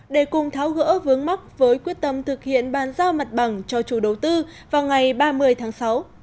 để cùng tháo gỡ vướng mắt với quyết tâm thực hiện bàn giao mặt bằng cho chủ đầu tư vào ngày ba mươi tháng sáu